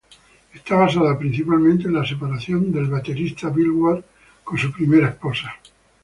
Está basada principalmente en la separación del baterista Bill Ward con su primera esposa.